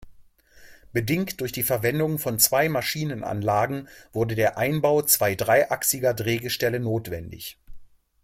Bedingt durch die Verwendung von zwei Maschinenanlagen wurde der Einbau zwei dreiachsiger Drehgestelle notwendig.